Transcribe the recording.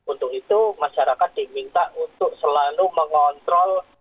untuk itu masyarakat diminta untuk selalu mengontrol